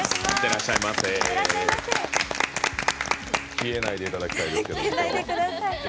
消えないでいただきたいですね。